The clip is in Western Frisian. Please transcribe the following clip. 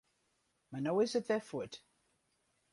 Mar no is it wer fuort.